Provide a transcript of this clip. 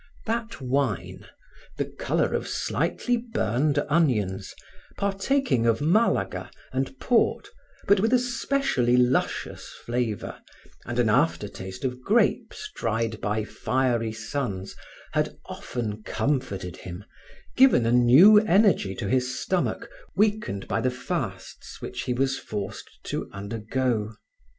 That wine, the color of slightly burned onions, partaking of Malaga and Port, but with a specially luscious flavor, and an after taste of grapes dried by fiery suns, had often comforted him, given a new energy to his stomach weakened by the fasts which he was forced to undergo.